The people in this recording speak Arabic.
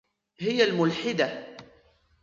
هي الملحدة.